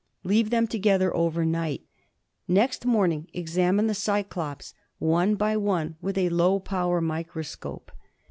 Leave them together overnight. Next morning examine the cyclops one by one with a low power of the microscope.